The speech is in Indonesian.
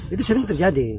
itu sering terjadi